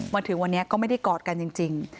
มาถึงวันนี้ก็ไม่ได้กอดกันจริง